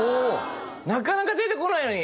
なかなか出てこないのに！